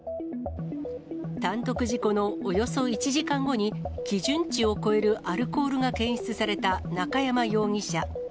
単独事故のおよそ１時間後に基準値を超えるアルコールが検出された中山容疑者。